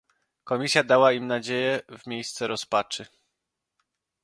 Komisja dała im nadzieję w miejsce rozpaczy